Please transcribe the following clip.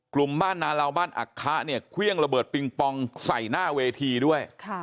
กลุ่มบ้านนาลาวบ้านอักคะเนี่ยเครื่องระเบิดปิงปองใส่หน้าเวทีด้วย